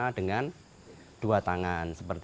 dia memegang dua tangan